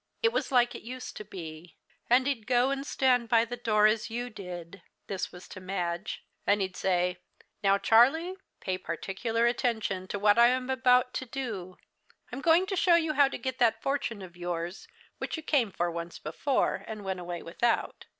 It was like it used to be. And he'd go and stand by the door, as you did" this was to Madge "and he'd say, 'Now, Charlie, pay particular attention to what I am about to do. I'm going to show you how to get that fortune of yours which you came for once before and went away without.